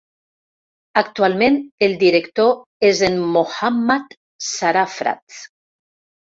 Actualment, el director és en Mohammad Sarafraz.